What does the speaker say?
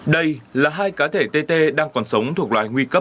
đây là hai cá thể tê tê đang còn sống thuộc loài nguy cấp